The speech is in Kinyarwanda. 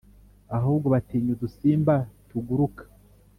ahubwo batinya udusimba tuguruka